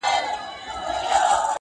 یو څو ورځي بېغمي وه په کورو کي.!